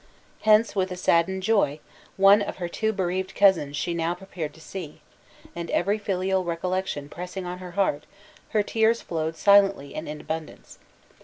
Hence, with a saddened joy, one of her two bereaved cousins she now prepared to see; and every filial recollection pressing on her heart her tears flowed silently and in abundance.